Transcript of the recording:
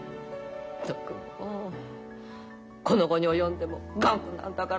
ったくもうこの期に及んでも頑固なんだから。